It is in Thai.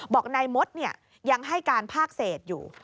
บอกนายมดยังให้การภาคเศษอยู่